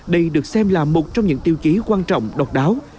đây được xem là một trong những tiêu chí quan trọng độc đáo